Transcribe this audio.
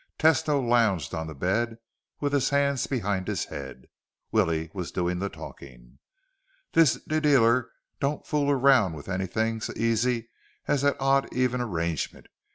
Tesno lounged on the bed with his hands behind his head. Willie was doing the talking. "This d dealer don't fool around with anything so easy as that odd even arrangement.